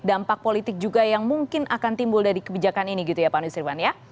dampak politik juga yang mungkin akan timbul dari kebijakan ini gitu ya pak nusirwan ya